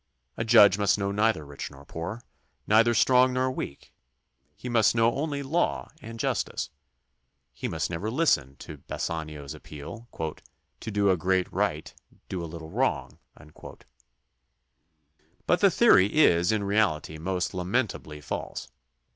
A judge must know neither rich nor poor, neither strong nor weak. He must know only law and justice. He must never listen to Bassanio's appeal, "To do a great right, do a little wrong." But the theory is in reality most lamentably false.